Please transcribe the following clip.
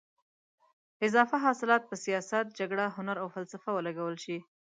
اضافه حاصلات په سیاست، جګړه، هنر او فلسفه ولګول شول.